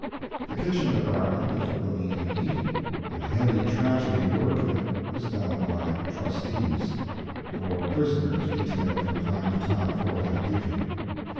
The kitchen department is roomy and neat, and the heavy tragedy work in it is done by "trusties," or prisoners detailed from time to time for that duty.